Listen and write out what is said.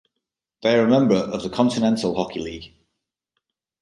They are a member of the Kontinental Hockey League.